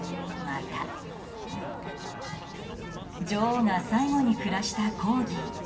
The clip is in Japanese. また女王が最後に暮らしたコーギー。